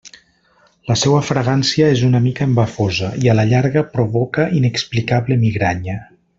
La seua fragància és una mica embafosa, i a la llarga provoca inexplicable migranya.